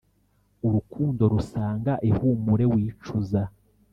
urukundo rusanga ihumure wicuza: